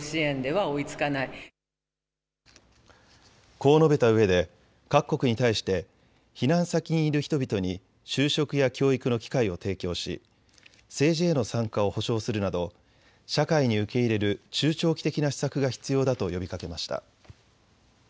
こう述べたうえで各国に対して避難先にいる人々に就職や教育の機会を提供し政治への参加を保障するなど社会に受け入れる中長期的な施策が必要だと呼びかけました。